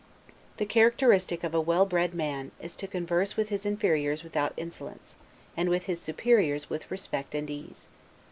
The characteristic of a well bred man, is to converse with his inferiors without insolence, and with his superiors with respect and ease.